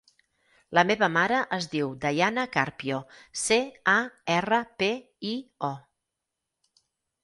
La meva mare es diu Dayana Carpio: ce, a, erra, pe, i, o.